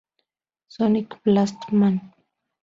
Sonic Blast Man